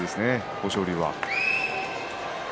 豊昇龍は。